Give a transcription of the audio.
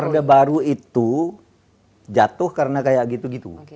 orde baru itu jatuh karena kayak gitu gitu